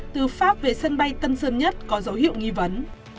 từ pháp về sân bay tân sơn nhất có dấu hiệu nghi vấn